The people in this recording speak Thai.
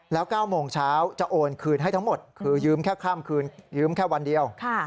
แล้ว๙โมงเช้าจะโอนคืนให้ทั้งหมดคือยืมแค่ข้ามคืนยืมแค่วันเดียว